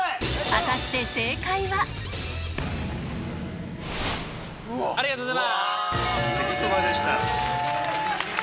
果たしてありがとうございます！